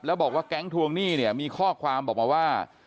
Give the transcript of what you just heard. แล้วบอกว่าแก๊งทวงหนี้เนี่ยมีข้อความบอกมาว่า